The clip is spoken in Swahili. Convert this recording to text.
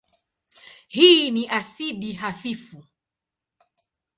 Hii ni asidi hafifu.